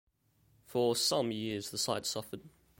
For some years, the site suffered.